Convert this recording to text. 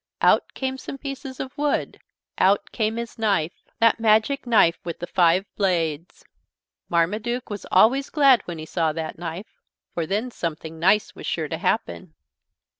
Out came some pieces of wood. Out came his knife that magic knife with the five blades. Marmaduke was always glad when he saw that knife for then something nice was sure to happen.